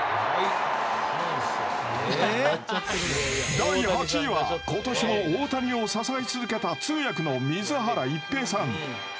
第８位は、今年も大谷を支え続けた、通訳の水原一平さん。